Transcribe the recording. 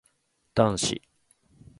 男子